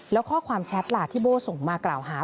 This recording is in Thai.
แล้วข้อความแชทล่ะที่โบ้ส่งมากล่าวหา